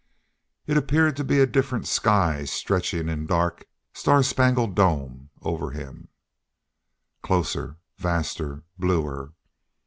It appeared to be a different sky stretching in dark, star spangled dome over him closer, vaster, bluer.